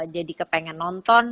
jadi kepengen nonton